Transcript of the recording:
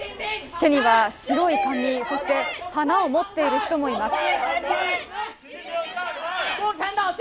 手には白い紙、そして花を持っている人もいます。